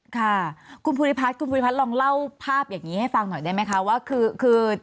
ค่ะคุณภูริพัฒน์คุณภูริพัฒนลองเล่าภาพอย่างนี้ให้ฟังหน่อยได้ไหมคะว่าคือ